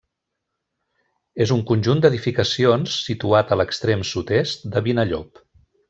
És un conjunt d'edificacions situat a l'extrem sud-est de Vinallop.